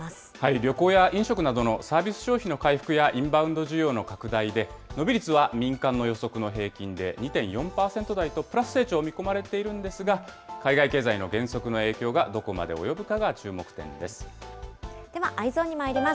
旅行や飲食などのサービス消費の回復やインバウンド需要の拡大で、伸び率は民間の予測の平均で２．４％台と、プラス成長が見込まれているんですが、海外経済の減速の影響がどこまで及ぶかがではＥｙｅｓｏｎにまいります。